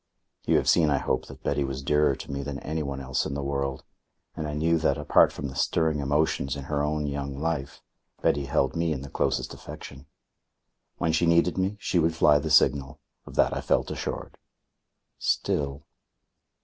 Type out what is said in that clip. You have seen, I hope, that Betty was dearer to me than anyone else in the world, and I knew that, apart from the stirring emotions in her own young life, Betty held me in the closest affection. When she needed me, she would fly the signal. Of that I felt assured. Still...